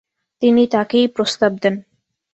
তিনি তাকেই প্রস্তাব দেন।